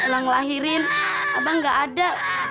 elang lahirin abang gak ada